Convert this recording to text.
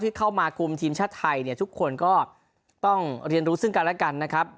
เข้ามาคุมทีมชาติไทยเนี่ยทุกคนก็ต้องเรียนรู้ซึ่งกันและกันนะครับ